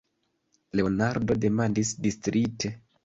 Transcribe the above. Leonardo demandis distrite.